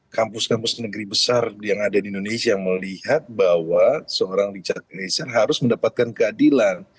kampus kampus negeri besar yang ada di indonesia melihat bahwa seorang richard eliezer harus mendapatkan keadilan